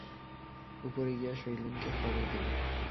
উপরে গিয়া শৈলেনকে খবর দিল।